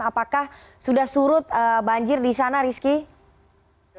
apakah sudah surut banjir di sana rizky